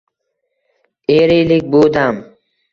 eriylik bu dam.